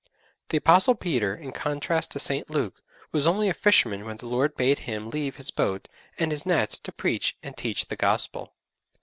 The Apostle Peter, in contrast to St. Luke, was only a fisherman when the Lord bade him leave his boat and his nets to preach and teach the Gospel.